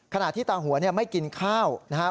ขณะที่ตาหวนเนี่ยไม่กินข้าวนะครับ